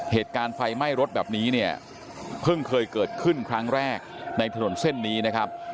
เหตุการณ์ไฟไหม้รถแบบนี้เนี่ยเพิ่งเคยเกิดขึ้นครั้งแรกในถนนเส้นนี้นะครับ